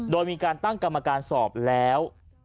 โดยมีการตั้งกรรมการสอบแล้ว